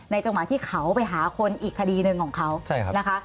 จังหวะที่เขาไปหาคนอีกคดีหนึ่งของเขานะคะ